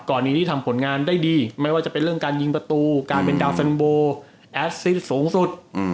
กรณีที่ทำผลงานได้ดีไม่ว่าจะเป็นเรื่องการยิงประตูการเป็นดาวเซ็นโบแอสซิสสูงสุด